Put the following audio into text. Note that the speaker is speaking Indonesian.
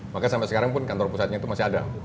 maka sampai sekarang pun kantor pusatnya itu masih ada